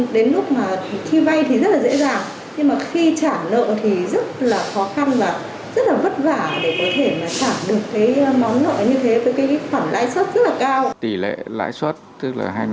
đến lúc khi vay thì rất là dễ dàng nhưng khi trả lợi thì rất là khó khăn và rất là vất vả để có thể trả được món lợi như thế với khoản lãi suất rất là cao